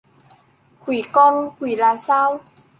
Quỷ con quỷ là sao